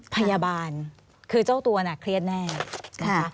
พยาบาลคือเจ้าตัวน่ะเครียดแน่นะคะ